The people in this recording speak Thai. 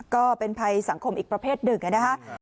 ก็เป็นภัยสังคมอีกประเภทหนึ่งนะครับ